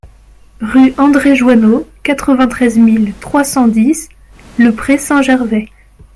Rue André Joineau, quatre-vingt-treize mille trois cent dix Le Pré-Saint-Gervais